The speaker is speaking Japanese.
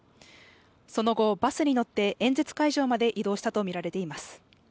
その後、バスに乗って演説会場まで移動したとみられています。